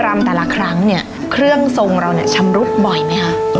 รำแต่ละครั้งเนี่ยเครื่องทรงเราเนี่ยชำรุดบ่อยไหมคะ